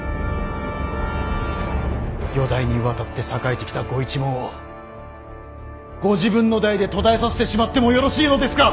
四代にわたって栄えてきたご一門をご自分の代で途絶えさせてしまってもよろしいのですか。